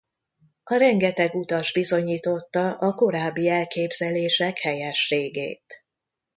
A rengeteg utas bizonyította a korábbi elképzelések helyességét.